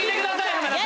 浜田さん！